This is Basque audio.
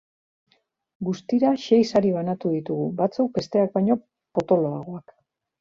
Guztira sei sari banatu ditugu, batzuk besteak baino potoloagoak.